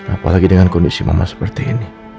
apalagi dengan kondisi mama seperti ini